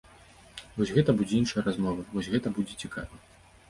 Вось гэта будзе іншая размова, вось гэта будзе цікава.